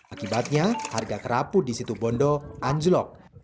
akibatnya harga kerapu di situ bondo anjlok